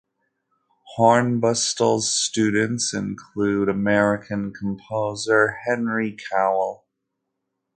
Hornbostel's students include American composer Henry Cowell.